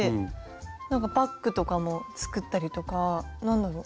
なんかバッグとかも作ったりとか何だろう